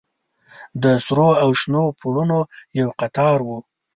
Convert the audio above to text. د سرو او شنو پوړونو يو قطار و.